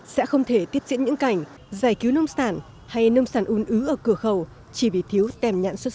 sẽ không thể tiếp diễn những cảnh giải cứu nông sản hay nông sản un ứ ở cửa khẩu chỉ vì thiếu tem nhãn xuất xứ